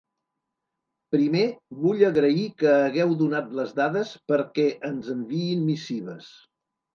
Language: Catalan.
Primer, vull agrair que hagueu donat les dades perquè ens enviïn missives.